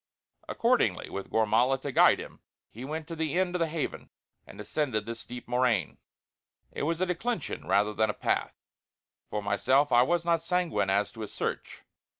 Accordingly, with Gormala to guide him, he went to the end of the Haven and descended the steep moraine it was a declension rather than a path. For myself I was not sanguine as to a search.